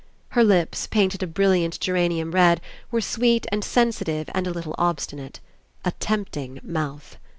Her lips, painted a brilliant geranium red, were sweet and sensitive and a little obstinate. A tempting mouth.